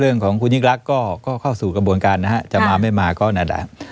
เรื่องของคุณนิกรักษ์ก็เข้าสู่กระบวนการนะครับจะมาไม่มาก็แน่